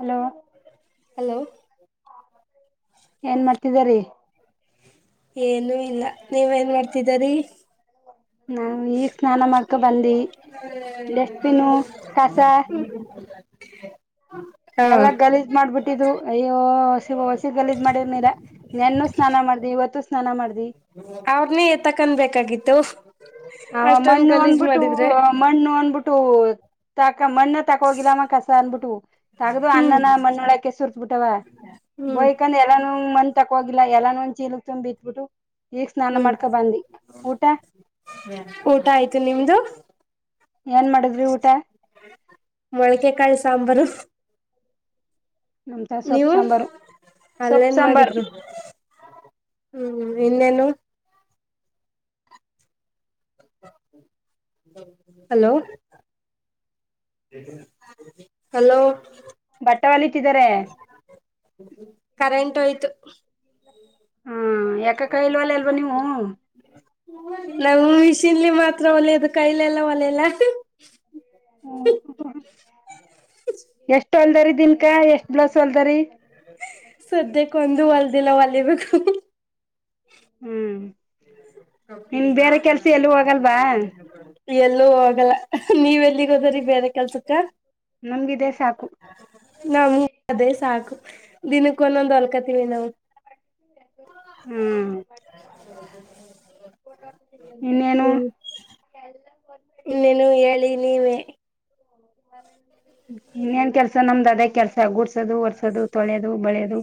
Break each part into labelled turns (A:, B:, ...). A: Hello
B: hello
A: ಏನ್ ಮಾಡ್ತಿದರಿ
B: ನೀವ ಏನ್ ಮಾಡ್ತಿದರಿ
A: ನಾ್ ಈಗ ಸ್ನಾನ ಮಾಡವಿ ಕಸ
B: [unintelligible] ಹಾ
A: ಎಲ್ಲ ಗಲೀಜ್ ಮಾಡ್ಬಿಟ್ಟಿದ್ರು ಅಯ್ಯ ಹೊಸಿ ಗಲೀಜ್ ಮಾಡಿದರ್ ಮೇಲೆ ನೆನ್ನ ಸ್ನಾನ ಮಾಡ ಅ ಇವತ್ತು ಸ್ನಾನ ಮಾಡ
B: ಅವ್ರನೇ ಎ ತಕನ್ಬೇಕಾಗಿತ್ತು
A: ಆ ಮಣ್ಣು ಅಂದ್ಬಿಟ್ಟು ಮಣ್ಣು ಅಂದ್ಬಿಟ್ಟು ಅ ಮಣ್ಣ ತಗೋಗಿಲ್ಲಮ್ಮ ಕಸ ಅನ್ಬಿಟ್ಟು ತಗದು
B: ಹ್ಮ್
A: ಅಣ್ಣನ ಮಣ್ಣೊಳಕ ಸುರ್ತ್ ಬಿಟ್ಟವ
B: ಹ್ಮ್
A: ಬೋಯ್ಕಂದ ಎಲ್ಲಾನ ಮ ಊಟಕ್ ಹೋಗಿಲ್ಲ ಎಲ್ಲಾನ ಒಂದ ಚೀಲಕ್ ತುಂಬಿ ಇಟ್ಬಿಟ್ಟು ಈಗ್ ಸ್ನಾನ
B: ಹ್ಮ್
A: ಮಾಡ್ಕೊ ಬಂದಿ ಊಟ
B: ಊಟ ಆಯ್ತು ನಿಮ್ದು
A: ಏನ್ ಮಾಡಿದ್ರಿ ಊಟ
B: ಮೊಳಕೆಕಾಳುಸಾಂಬಾರು
A: ನಮ್ದ ಸೊಪ್ಪ
B: ನೀವು
A: ಸಾಂಬಾರು ಸೊಪ್ಪ
B: ಅಲ್ಲೇನ್
A: ಸಾಂಬಾರ
B: ಮಾಡಿದ್ರು ಹ್ಮ್ ಇನ್ನೇನು ಹಲೋ ಹಲೋ
A: ಪಟ್ಟವಲಿಟ್ಟಿದ್ದಾರೆ
B: ಕರೆಂಟ್ ಆಯ್ತು
A: ಹ್ಮ ಯಕ ಕಾಯಲ್ವಾಲ್ಲ ಇಲ್ವಾ ನೀವು
B: ನಾವ್ ಮಿಷಿನ್ಲಿ ಮಾತ್ರ ಒಲೆಯದು ಕೈಲೆಲ್ಲ ಒಲೆಲ್ಲ
A: ಎಷ್ಟ ಹೊಲ್ದರಿ ದಿನ್ಕಾ ಎಷ್ಟ್ ಬ್ಲೌಸ್ ಹೊಲ್ದರಿ
B: ಸದ್ಯಕ್ಕ ಒಂದು ಹೊಲ್ದಿಲ್ಲ ಹೊಲಬೇಕು
A: ಹ್ಮ್ ಇನ್ ಬೇರೆ ಕೆಲ್ಸ ಎಲ್ಲೂ ಹೋಗಲ್ವಾ
B: [inaudible] ಎಲ್ಲೂ ಆಗಲ್ಲ ನೀವ ಎಲ್ಲಿಗ ಹೋದ್ರರಿ ಬೇರೆ ಕೆಲ್ಸಕ್ಕ
A: ನಮ್ಗಿದೆ ಸಾಕು
B: ನಮಗ ಅದೇ ಸಾಕು ದಿನಕ್ಕ ಒಂದೊಂದ ಹೊಲ್ಕತಿವಿ ನಾವು
A: ಹ್ಮ್ ಇನ್ನೇನು
B: ಇನ್ನೇನು ಹೇಳಿ ನೀವೇ
A: ಏನ್ ಕೆಲ್ಸ ಸ ನಮ್ದು ಅದೇ ಕೆಲ್ಸ ಗೂಡ್ಸೋದು ಒರ್ಸೋದು ತೊಳೆಯೋದು ಬಳೆಯೋದು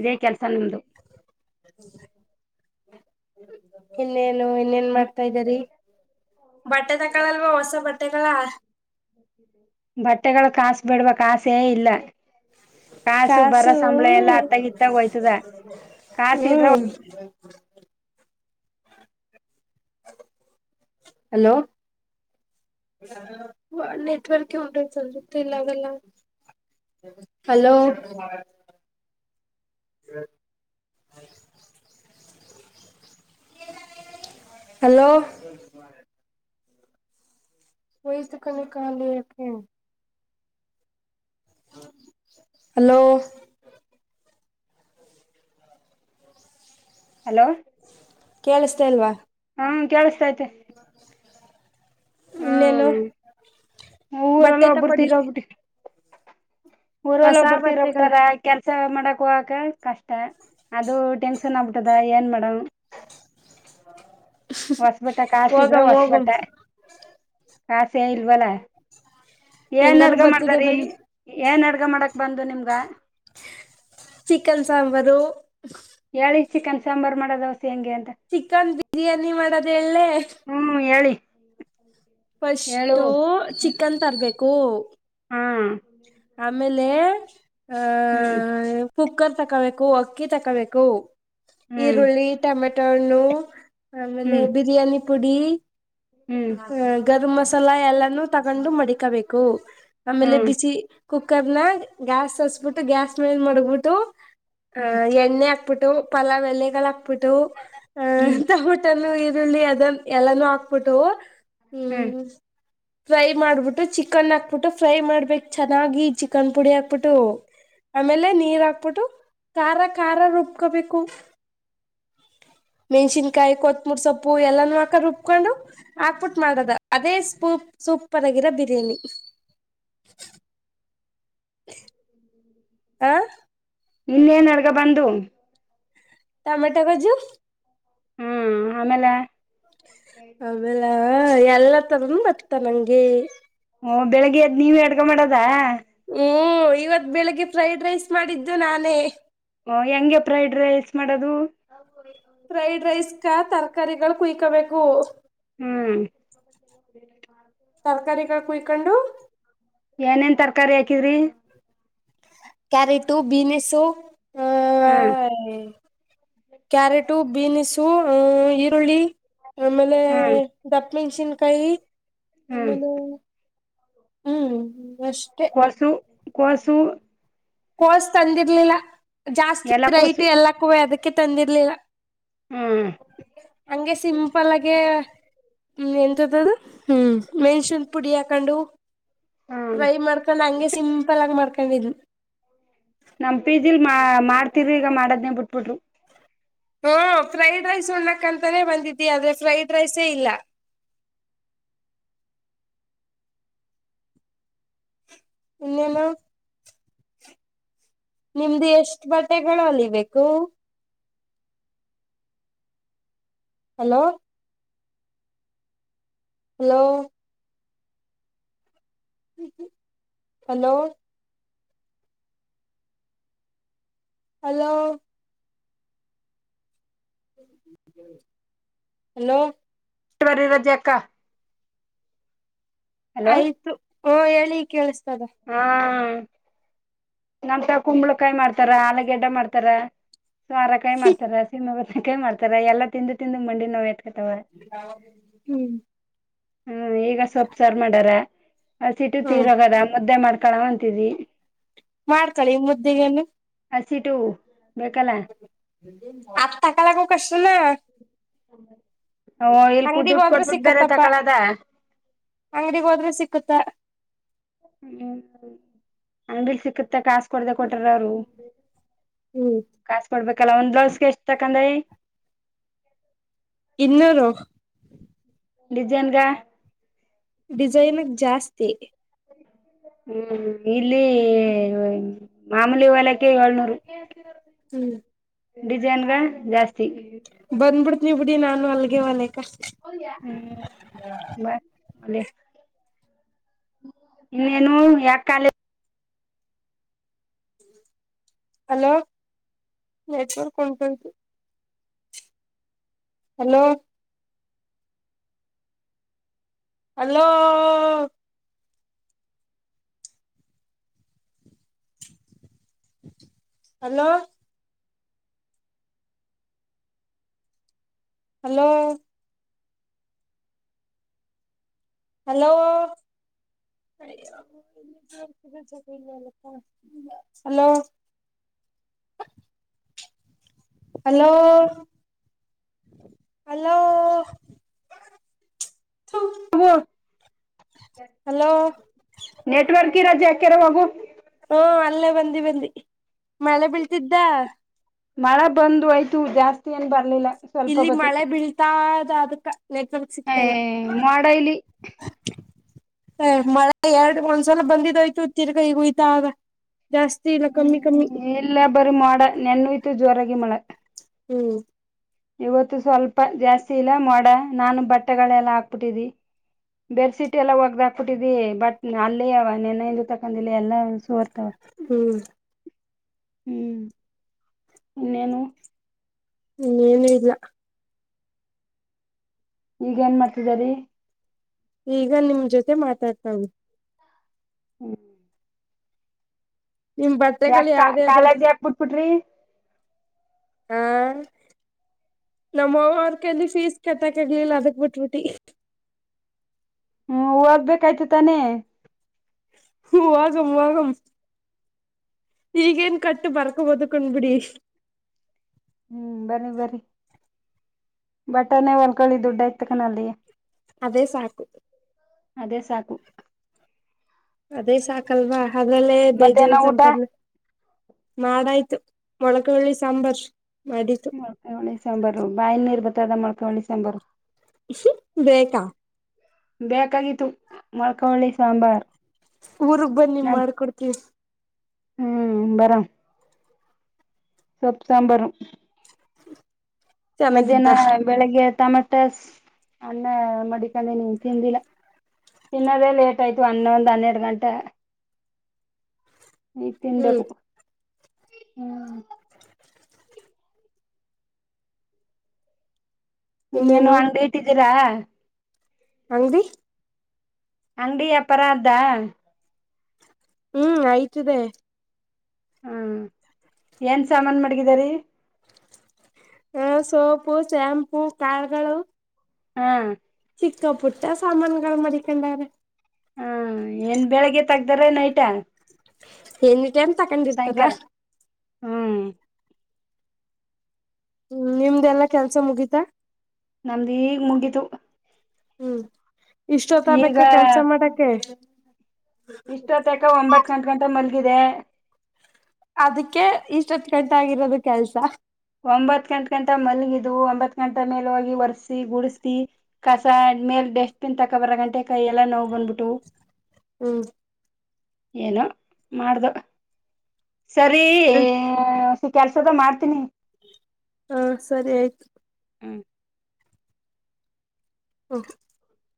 A: ಇದೇ ಕೆಲ್ಸ ನಮ್ದು
B: ಇನ್ನೇನು ಇನ್ನೇನ್ ಮಾಡ್ ತಾ ಇದ್ದರಿ ಬಟ್ಟೆ ತಕಳಲ್ವಾ ಹೊಸ ಬಟ್ಟೆಗಳ
A: ಬಟ್ಟೆಗಳ ಕಾಸ ಬೇಡವಾ ಕಾಸೆ ಇಲ್ಲ ಕಾಸು ಬರ ಸಂಬಳ ಎಲ್ಲಾ ಹತ್ತಗಿತ್ತಾಗ ಹೋಯ್ತದ ಕಾಸ ಇದ್ರ [unintelligible]
B: ಹ್ಮ್ ಹಲೋ ನೆಟ್ವರ್ಕ್ ಒಂಟೈತು ನನ ಕೈಲ್ಲಾಗಲ್ಲ ಹಲೋ [inaudible] ಹಲೋ [unintelligible] ಹಲೋ
A: ಹಲೋ
B: ಕೇಳಸ್ತಾ ಇಲ್ವಾ
A: ಹ್ಮ್ ಕೇಳಸತೈತೆ
B: [inaudible] ಇನ್ನೇನು.
A: ಹ್ಮ್ ಊರಲ್ಲ
B: ಬಟ್ಟೆ
A: ಒಬ್ಬರ್
B: ತಕೊಡಿ
A: ತಿರಒಬ್ಬಿಟ್ಟು ಊರಲ್ಲ
B: ಹೊಸ
A: ಒಬ್ಬರ್ತಿರೋ
B: ಬಟ್ಟೆಗಳ
A: ಬಿಟ್ಟಾರ ಕೆಲ್ಸ ಸ ಮಾಡಕ್ ಹೋಗಕ ಕಷ್ಟ ಅದು ಟೆನ್ಶನ್ ಆಗ್ಬಿಟ್ಟದ ಏನ್ ಮಾಡಮ್ [unintelligible]
B: ಹಾ
A: ಹೊಸಬಟ್ಟೆ ಕಾಸ ಇದ್ರ ಹೊಸಬಟ್ಟೆ ಕಾಸ ಏ ಇಲ್ವಲ್ಲ ಏನ್
B: ಹೆಂಗಾರು
A: ಅಡ್ಗ
B: ಬರ್ತಿದೆ
A: ಮಾಡ್ದಾರಿ
B: ಬನ್ನಿ.
A: ಏನ್ ಅಡ್ಗ ಮಾಡಕ್ ಬಂದು ನಿಮ್ಗ
B: ಚಿಕನ್ ಸಾಂಬಾರು
A: ಹೇಳಿ ಚಿಕನ್ ಸಾಂಬಾರ ಮಾಡೋದು
B: ಚಿಕನ್ ಬಿರಿಯಾನಿ ಮಾಡೋದ ಹೇಳಲೆ
A: ಹ್ಮ್ [inaudible] ಹೇಳು
B: ಫಸ್ಟು ಚಿಕನ್ ತರ್ಬೇಕು
A: ಹಾ
B: ಆಮೇಲೆ
A: ಹ್ಮ್
B: ಹ ಕುಕ್ಕರ್ ತಕೋಬೇಕು ಅಕ್ಕಿ ತಕೋಬೇಕು
A: ಹ್ಮ್
B: ಈರುಳ್ಳಿ ಟಮೆಟೊಣು ಆಮೇಲೆ
A: ಹ್ಮ್
B: ಬಿರಿಯಾನಿ ಪುಡಿ
A: ಹ್ಮ್
B: ಹ ಗರಂ ಮಸಾಲ ಎಲ್ಲಾನೂ ತಗೊಂಡು ಮಡಿಕಬೇಕು ಆಮೇಲೆ
A: ಹ್ಮ್
B: ಬಿಸಿ ಕುಕ್ಕರ್ನ ಗ್ಯಾಸ್ ಸಸ್ಬಿಟ್ಟು ಗ್ಯಾಸ್ ಮೇಲ್ ಮಡಗಬಿಟ್ಟು
A: ಹ್ಮ್
B: ಆಹ ಎಣ್ಣೆ ಹಾಕ್ಬಿಟ್ಟು ಪಲಾವ ಎಲೆಗಳ ಹಾಕ್ಬಿಟ್ಟು ಅಹ್
A: ಹ್ಮ್
B: ಟಮಟನು ಈರುಳ್ಳಿ ಅದನ್ ಎಲ್ಲಾನೂ ಹಾಕ್ಬಟ್ಟು ಹ್ಮ್ ಫ್ರೈ ಮಾಡ್ಬಿಟ್ಟು ಚಿಕನ್ ಹಾಕ್ಬಿಟ್ಟು ಫ್ರೈ ಮಾಡ್ಬೇಕ್ ಚೆನ್ನಾಗಿ ಚಿಕನ್ ಪುಡಿ ಹಾಕ್ಬಟ್ಟು ಆಮೇಲೆ ನೀರ್ ಹಾಕ್ಬಿಟ್ಟು ಖಾರ ಖಾರ ೊಬ್ಕೋಬೇಕು. ಮೆಣ್ಸಿನ್ಕಾಯಿ ಕೊತ್ಮೂರಿ ಸೊಪ್ಪು ಎಲ್ಲಾನ ಹಾಕ ರುಬ್ಕೊಂಡು ಹಾಕ್ಬಿಟ್ಟು ಮಾಡದ ಅದೇ ಸ್ಪೂಪ್ ಸೂಪರ್ ಆಗಿರೋ ಬಿರಿಯಾನಿ. [inaudible] ಆ.
A: ಇನ್ನೇನ್ರ್ಗ ಬಂದು.
B: ಟಮೆಟೊ ಗೊಜ್ಜು.
A: ಹಾ ಆಮೇಲೆ.
B: ಆಮೇಲ ಎಲ್ಲ ತರ ಮತ ನಂಗೆ.
A: ಓ ಬೆಳಿಗ್ಗೆ ಎದ್ ನೀವ ಅಡ್ಗ ಮಾಡದ.
B: ಹ್ಮ್ ಇವತ್ ಬೆಳಿಗ್ಗೆ ಫ್ರೈಡ್ ರೈಸ್ ಮಾಡಿದ್ದು ನಾನೇ.
A: ಹ ಹೆಂಗೆ ಫ್ರೈಡ್ ರೈಸ್ ಮಾಡದು.
B: ಫ್ರೈಡ್ ರೈಸ್ ಕ ತರಕಾರಿಗಳು ಕುಯ್ಕೋಬೇಕು.
A: ಹ್ಮ್.
B: ತರ್ಕಾರಿಗಳು ಕುಯ್ಕೊಂಡು.
A: ಏನೇನ್ ತರಕಾರಿ ಹಾಕಿದ್ರಿ.
B: Carrot beans. ಹ
A: ಹ್ಮ್
B: ಕ್ಯಾರೆಟು ಬಿೀನ್ಸ್ ಈರುಳ್ಳಿ ಆಮೇಲೆ
A: ಹ್ಮ್
B: ದಪ್ಪ ಮೆಣ್ಸಿನ್ಕಾಯಿ.
A: ಹ್ಮ್
B: ಆಮೇಲೆ ಹ್ಮ್. ಅಷ್ಟೆ
A: [unintelligible]
B: ಕೋಸ್ ತಂದಿರ್ಲಿಲ್ಲ ಜಾಸ್ತಿ
A: ಎಲ್ಲ
B: ರೈಟ್
A: ಕೋಸು
B: ಎಲ್ಲಕ್ಕುವ ಅದಕ್ಕೆ ತಂದಿರ್ಲಿಲ್ಲ.
A: ಹ್ಮ್
B: ಹಂಗೆ ಸಿಂಪಲ್ಗೆ. ಹ್ಮ್ ಎಂತತದ ಹ್ಮ್ ಮೆಣಸನ್ ಪುಡಿ ಹಾಕೊಂಡು.
A: ಹ್ಮ್
B: ಟ್ರೈ ಮಾಡ್ಕೊಂಡ್ ಹಂಗೆ ಸಿಂಪಲ್ ಆಗಿ ಮಾಡ್ಕೊಂಡಿದು.
A: ನಮ್ ಪಿ ಜಿಲ್ ಮಾ ಮಾಡ್ತಿ್ರಿ ಈಗ ಮಾಡದ್ನನೆ ಬಿಟ್ಬಿಟ್ರು.
B: ಹ್ಮ ಫ್ರೈಡ್ ರೈಸ್ ಉಣ್ಣಕ್ಂತಾನೇ ಬಂದಿದಿ ಆದ್ರೆ ಫ್ರೈಡ್ ರೈಸೇ ಇಲ್ಲ. ಇನ್ನೇನು. ನಿಮ್ದು ಎಷ್ಟ್ ಬಟ್ಟೆಗಳು ಅಲಿಬೇಕು. Hello. Hello. Hello. Hello. Hello.
A: ಬರಿ ರಜೆ ಅಕ್ಕ. ಹಲೋ
B: ಆಯ್ತು ಓ ಹೇಳಿ ಕೇಳಸ್
A: ಹಾ. ನಮಂತ ಕುಂಬಳಕಾಯಿ ಮಾಡ್ತಾರ ಆಲ ಗಡ್ಡ ಮಾಡ್ತಾರ ಸಾರಕಾಯಿ ಮಾಡ್ತಾರ ಸಿಂ ಕೈ ಮಾಡ್ತಾರ ಎಲ್ಲಾ ತಿಂದು ತಿಂದು ಮಂಡಿ ನೋವೈತ
B: ಹ್ಮ್.
A: ಹ್ಮ್ ಈಗ ಸೊಪ್ ಸರ್ ಮಾಡಾರ ಆ ಸಿಟು
B: ಹ್ಮ್
A: ತೀರೋಗದ ಮುದ್ದೆ ಮಾಡ್ ಕಣವಂತಿದಿ.
B: ಮಾಡ್ಕಳಿ ಮುದ್ದೆಗೇನು.
A: [unintelligible]
B: ಆತ್ ತಕುವ ಕಷ್ಟ
A: [inaudible] ಓ ಇಲ್ ಕುಡ
B: ಅಂಗಡಿಗ್
A: ದುಡ್
B: ಹೋದ್ರೆ
A: ಕೊಟ್ಬಿಡ್ ಬೇರೆ
B: ಸಿಕ್ಕತ್ತಪ್ಪ
A: ತಕಳದ.
B: ಅಂಗಡಿಗ್ ಹೋದ್ರೆ ಸಿಕ್ಕುತ್ತ
A: ಹ್ಮ್ ಅಂಗ್ಡೀಲ್ ಸಿಕ್ಕುತ್ತೆ ಕಾಸ್. ಕೊಡ್ದೆ ಕೊಟ್ಟಾರ ಅವರು
B: ಹ್ಮ್
A: ಕಾಸ ಕೊಡ್ಬೇಕ್. ಕಲ ಒಂದ್ ಬ್ಲೌಸ್ಗೆ ಎಷ್ಟ್ ತಕಂದೖ?
B: ಇನ್ನೂರು.
A: ಡಿಜೈನ್ಗ?
B: ಡಿಸೈನ್ಗೆ ಜಾಸ್ತಿ.
A: ಹ್ಮ್ ಇಲ್ಲಿ ಮಾಮೂಲಿ ಹೊಲ್ಯಕ್ಕೆ ಏಳ್ನೂರು.
B: ಹ್ಮ್
A: ಡಿಸೈನ್ಗೆ ಜಾಸ್ತಿ.
B: ಬಂದ್ಬಿಡ್ತೀನೀ ಬಿಡಿ ನಾನು ಅಲ್ಗೆ ಹೊಲೆ
A: [unintelligible] ಅ ಇನ್ನೇನು ಯಾಕ ಕಾಲೇಜ್
B: ಹಲೋ ನೆಟ್ವರ್ಕ್ರ್ ಹೊಂಟೋಯ್ತು. Hello hello hello hello hello hello
A: ಟಿ
B: ಹಲೋ ಅಲೋ ಹಲೋ
A: ನೆಟ್ವರ್ಕ್ ಇರೋ ಜಾಗ್ಕ್ಯಾರ ಹೋಗು.
B: ಹ್ಮ ಅಲ್ಲೇ ಬಂದಿ ಬಂದಿ ಮಳೆ ಬೀಳ್ತಿದ್ದ.
A: ಮಳೆ ಬಂದೋಯ್ತು ಜಾಸ್ತಿ ಏನ್ ಬರ್ಲಿಲ್ಲ. ಸ್ವಲ್ಪ
B: ಇಲ್ಲಿ
A: ಬತ್ತು
B: ಮಳೆ ಬೀಳ್ತಾದ ಅದಕ.
A: ಏ ಮೋಡ ಇಲ್ಲಿ.
B: ಹ ಮಳೆ ಎರಡ್ ಒಂದ್ಸಲ ಬಂದಿದೋಯ್ತು ತಿರ್ಗ ಈಗ ಹುಯ್ತಾದೆ.
A: ಹ್ಮ್ ಇಲ್ಲ ಬರಿ ಮೋಡ ನೆನ್ನುಯ್ತು ಜೋರಾಗಿ ಮಳೆ.
B: ಹ್ಮ್
A: ಇವತ್ತು ಸ್ವಲ್ಪ ಜಾಸ್ತಿ ಇಲ್ಲ ಮೋಡ ನಾನು ಬಟ್ಟೆಗಳೆಲ್ಲ ಹಾಕ್ಬಿಟ್ಟಿದಿ. ಬೆಡ್ಸೀಟ್ ಎಲ್ಲ ಒಗ್ದಾಗಿಕ್ಬಿಟ್ಟಿದಿ ಬಟ್ಟೆ ಅಲ್ಲೇ ಅವ ನೆನ್ನೆಯಿಂದ ತಕಲ್ಲಿಲ್ಲ. ಎಲ್ಲ ಒ ಸೋರ್ತಾವಂತ್
B: ಹ್ಮ್
A: ಹ್ಮ್ ಇನ್ನೇನು
B: ಇನ್ನೇನು ಇಲ್ಲ.
A: ಈಗ್ ಏನ್ ಮಾಡ್ತಿದರಿ?
B: ಈಗ ನಿಮ್ ಜೊತೆ ಮಾತಾಡ್ತವ್ನಿ.
A: ಹ್ಮ್
B: ನಿಮ್ ಬಟ್ಟೆಗಳು
A: ಯಾಕಾ
B: ಯಾವ್ದೇ ಅದ
A: ಕಾಲೇಜ್ ಯಾಕ್ ಬಿಟ್ಬಿಟ್ರಿ?
B: ಹ ನಮ್ಮವ್ವರ್ ಕೖಲಿ ಫೀಸ್ ಕಟ್ಟಕ್ ಇರ್ಲಿಲ್ಲ ಅದಕ್ ಬಿಟ್ಬಿಟ್ಟಿ.
A: ಹ್ಮ್ ಓದ್ಬೇಕಾಯ್ತು ತಾನೇ?
B: ಹೂಂ ಹೋಗಮ್ ಹೋಗಮ್. ಈಗೇನ್ ಕಟ್ಟು ಬರ್ಕೊಬೋದು ಕೊಂಡ್ಬಿಡಿ.
A: ಹ್ಮ್ ಬರಿ ಬರಿ ಬಟ್ಟೇನೆೇ ಹೊಲ್ಕೊಳ್ಳಿ ದುಡ್ಡಾಯ್ತಕಣ ಅಲ್ಲಿಯೇ.
B: ಅದೇ ಸಾಕು.
A: ಅದೇ ಸಾಕು.
B: ಅದೇ ಸಾಕಲ್ವಾ ಅದ್ರಲ್ಲೇ ಬೇಜಾನ್
A: ಮಧ್ಯಾಹ್ನ ಊಟ
B: ಸಂಪಾದನೆ ಮಾಡಾಯ್ತು. ಮೊಳಕೆಉಳ್ಳಿ ಸಾಂಬಾರ್. ಮಾಡಿತು
A: ಮೊಳಕೆಉಳ್ಳಿ ಸಾಂಬಾರು ಬಾಯಿನೀರ್ಬತದ ಮೊಳಕೆಉಳ್ಳಿ ಸಾಂಬಾರು.
B: ಬೇಕಾ
A: ಬೇಕಾಗಿತ್ತು ಮೊಳ್ಕವಳ್ಳಿ ಸಾಂಬಾರ್.
B: ಊರ್ಗ್ ಬನ್ನಿ ಮಾಡಕೊಡ್ತಿವ.
A: ಹ್ಮ ಬರ ಸೊಪ್ ಸಾಂಬಾರ.
B: [inaudible]
A: ಮಧ್ಯಾಹ್ನ
B: ಚೆನ್ನಾಗಿದ್ದ
A: ಬೆಳಿಗ್ಗೆ ಟಮಟಸ್ ಅನ್ನ ಮಡಿಕೊಂಡನೀ ತಿಂದಿಲ್ಲ ತಿನ್ನದ ಲೇಟ್ ಆಯ್ತು ಹನ್ನೊಂದ್ ಹನ್ನೆರಡ ಗಂಟ ಈ
B: ಹ್ಮ್
A: ತಿನ್ಬೇಕು ಹ್ಮ. ಇನ್ನೇನು ಅಂಗ್ಡಿ ಇಟ್ಟಿದ್ದೀರಾ.
B: ಅಂಗಡಿ
A: ಅಂಗಡಿ ವ್ಯಾಪಾರ ದ
B: ಹ್ಮ ಆಯ್ತದೆ.
A: ಹ್ಮ ಏನ್ ಸಾಮಾನ ಮಾಡಗಿದರಿ.
B: ಹ ಸೋಪು ಶಾಂಪು ಕಾಳಗಳು
A: ಹಾ
B: ಚಿಕ್ಕ ಪುಟ್ಟ ಸಾಮಾನಗಳ ಮಡಿಕೊಂಡರೇ.
A: ತಗದಾರೀ ನೈಟ್
B: ಎನ್ಟೈಮ ತಕೊಂಡಿರ್ತಾರ.
A: ಹ್ಮ.
B: ಹ್ಮ ನಿಮ್ದೆಲ್ಲಾ ಕೆಲ್ಸ ಮುಗೀತಾ.
A: ನಮ್ದ ಈಗ್ ಮುಗಿತು.
B: ಹ್ಮ ಇಷ್ಟೊತ್ತ ಬೇಕಾ ಕೆಲ್ಸ ಮಾಡಕ್ಕ
A: ಇಷ್ಟುತಕ ಒಂಬತ್ ಗಂಟ ಗಂಟ ಮಲಗಿದೆ.
B: ಅದಕ್ಕೆ ಇಷ್ಟೊತ್ತು ಗಂಟೆ ಆಗಿರೋದು ಕೆಲ್ಸ.
A: ಒಂಬತ್ ಗಂಟ ಗಂಟ ಮಲಗಿದು ಒಂಬತ್ ಗಂಟ ಮೇಲೆ ಹೋಗಿ ಒರ್ಸಿ ಗುಡ್ಸಿ ಕಸ ಮೆಲ್ ಡಸ್ಟ್ ಬಿನ್ ತಕ್ಕೋ ಬರ ಗಂಟೆ ಕೈಯ ಎಲ್ಲಾ ನೋವು ಬಂದ್ಬಿಟ್ಟು
B: ಹ್ಮ.
A: ಏನೋ ಮಾಡ್ದು ಸರಿ ಸು ಕೆಲ್ಸದ ಮಾಡ್ತೀನಿ.
B: ಹ ಸರಿ ಆಯ್ತು.
A: ಹ್ಮ್
B: [inaudible]